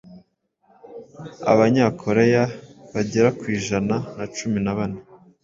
Abanyakoreya bagera ku ijana na cumi na bane